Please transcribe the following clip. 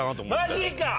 マジか！